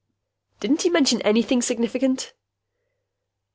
"Didn't he mention anything significant?"